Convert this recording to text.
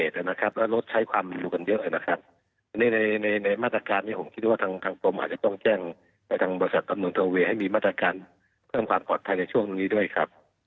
จะแจ้งระฆ่าบริษัทกำหนุงโทโมเวให้มีมาตรการปลอดภัยในช่วงนี้ด้วยครับ